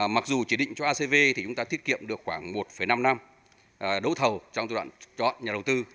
mặc dù chỉ định cho acv thì chúng ta thiết kiệm được khoảng một năm năm đấu thầu trong giai đoạn chọn nhà đầu tư